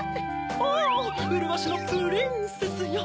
おぉうるわしのプリンセスよ！